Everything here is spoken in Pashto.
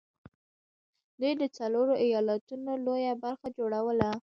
دوی د څلورو ايالتونو لويه برخه جوړوله